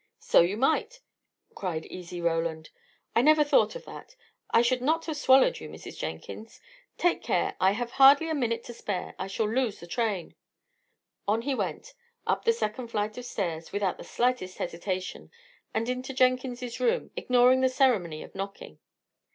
"So you might!" cried easy Roland. "I never thought of that. I should not have swallowed you, Mrs. Jenkins. Take care! I have hardly a minute to spare. I shall lose the train." On he went, up the second flight of stairs, without the slightest hesitation, and into Jenkins's room, ignoring the ceremony of knocking.